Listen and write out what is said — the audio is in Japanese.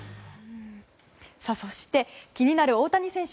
そして気になる大谷選手。